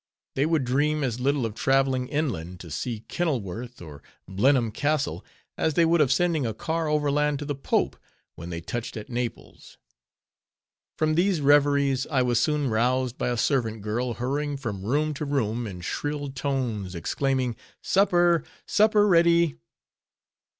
They would dream as little of traveling inland to see Kenilworth, or Blenheim Castle, as they would of sending a car overland to the Pope, when they touched at Naples. From these reveries I was soon roused, by a servant girl hurrying from room to room, in shrill tones exclaiming, "Supper, supper ready."